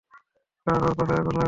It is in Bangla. কারণ, ওর পাছায় আগুন লাগে।